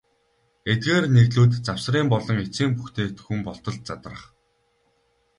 Эдгээр нэгдлүүд завсрын болон эцсийн бүтээгдэхүүн болтол задрах.